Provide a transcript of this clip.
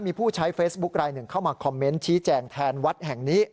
มีผู้ใช้เฟซบุ๊คลายหนึ่งเข้ามาคอมเมนต์ชี้แจงแทนวัดแห่งนี้